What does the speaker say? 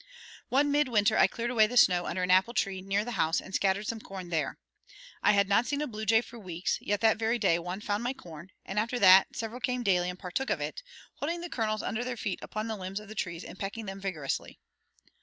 One midwinter I cleared away the snow under an apple tree near the house and scattered some corn there. I had not seen a blue jay for weeks, yet that very day one found my corn, and after that several came daily and partook of it, holding the kernels under their feet upon the limbs of the trees and pecking them vigorously.